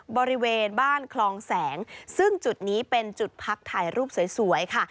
บริเวณบ้านคลองแสงซึ่งจุดนี้เป็นจุดพักถ่ายรูปสวยค่ะ